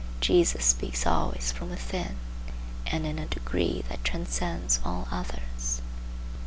Jesus speaks always from within, and in a degree that transcends all others.